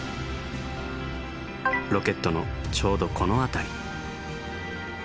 ロケットのちょうどこの辺り。